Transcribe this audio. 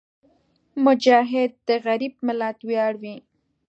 مجاهد د غریب ملت ویاړ وي.